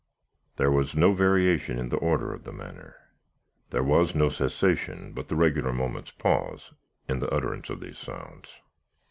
There was no variation in the order, or the manner. There was no cessation, but the regular moment's pause, in the utterance of these sounds.